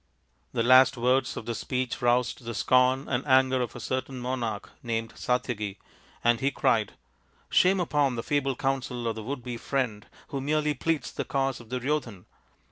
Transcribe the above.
The last words of this speech roused the scorn and anger of a certain monarch named Satyaki, and he cried, " Shame upon the feeble counsel of the would be friend, who merely pleads the cause of Duryodhan.